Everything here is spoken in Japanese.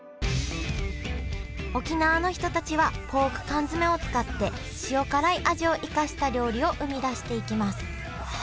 沖縄の人たちはポーク缶詰を使って塩辛い味を生かした料理を生み出していきます。